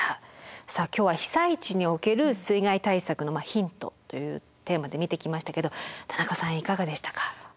さあ今日は被災地における水害対策のヒントというテーマで見てきましたけど田中さんいかがでしたか。